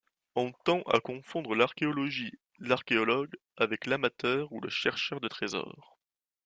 On tend à confondre l'archéologie, l'archéologue avec l'amateur ou le chercheur de trésor.